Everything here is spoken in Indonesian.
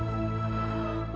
sembuhkanlah ya allah